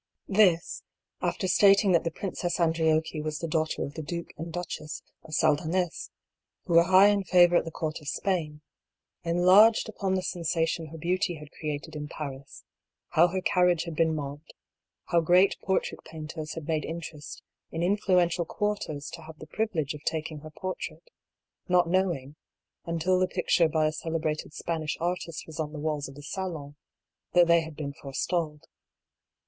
This, after stating that the Princess Andriocchi was the daughter of the Duke and Duchess of Saldanhes, who were high in favor at the Court of Spain, enlarged upon the sensation her beauty had created in Paris, how her carriage had been mobbed, how great portrait painters had made interest in influential quarters to have the privilege of taking her portrait, not knowing, until the picture by a celebrated Spanish artist was on the walls of the Salon^ that they had been forestalled.